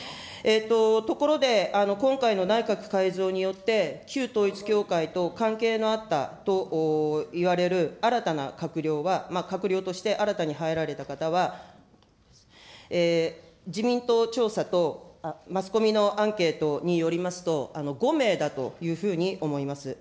ところで、今回の内閣改造によって、旧統一教会と関係のあったといわれる新たな閣僚は、閣僚として新たに入られた方は、自民党調査とマスコミのアンケートによりますと、５名だというふうに思います。